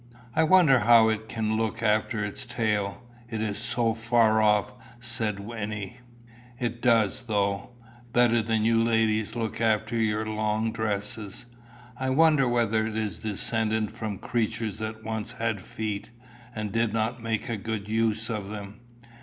"I wonder how it can look after its tail, it is so far off," said Wynnie. "It does though better than you ladies look after your long dresses. I wonder whether it is descended from creatures that once had feet, and did not make a good use of them.